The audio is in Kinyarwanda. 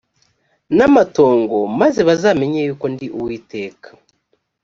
n amatongo maze bazamenye yuko ndi uwiteka